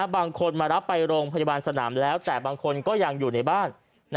บางคนมารับไปโรงพยาบาลสนามแล้วแต่บางคนก็ยังอยู่ในบ้าน